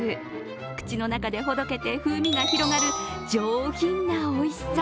口の中でほどけて風味が広がる上品なおいしさ。